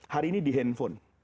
hari ini di handphone